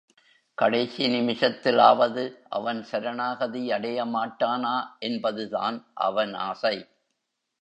கடைசி நிமிஷத்திலாவது அவன் சரணாகதி அடைய மாட்டானா என்பதுதான் அவன் ஆசை.